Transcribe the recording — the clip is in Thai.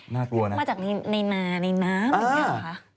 น่ากลัวนะนี่ในน้ำอย่างไร